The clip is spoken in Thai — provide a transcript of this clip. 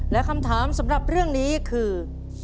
และคำถามสำหรับเรื่องนี้คือ